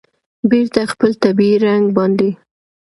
بېرته خپل طبیعي رنګ باندې